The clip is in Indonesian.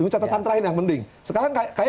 catatan terakhir yang penting sekarang kay